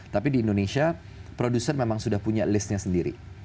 tapi di indonesia produser memang sudah punya listnya sendiri